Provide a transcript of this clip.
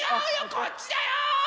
こっちだよ！